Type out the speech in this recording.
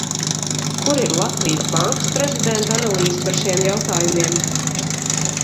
Kur ir Latvijas Bankas prezidenta analīze par šiem jautājumiem?